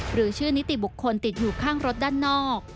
หรือชื่อนิติบุคคลติดอยู่ข้างรถด้านนอก